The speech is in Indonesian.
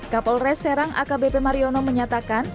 kapolres serang akbp mariono menyatakan